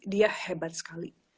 dia hebat sekali